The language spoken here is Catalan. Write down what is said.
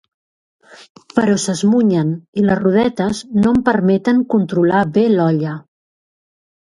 Però s'esmunyen i les rodetes no em permeten controlar bé l'olla.